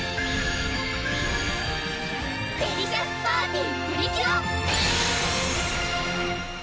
デリシャスパーティプリキュア！